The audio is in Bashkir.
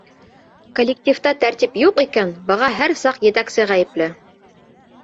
Коллективта тәртип юҡ икән, быға һәр саҡ етәксе ғәйепле!